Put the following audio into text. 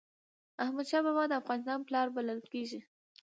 احمد شاه بابا د افغانستان پلار بلل کېږي.